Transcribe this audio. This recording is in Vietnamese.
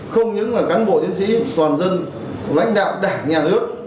không những là cán bộ chiến sĩ toàn dân lãnh đạo đảng nhà nước